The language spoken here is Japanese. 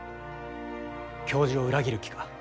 教授を裏切る気か？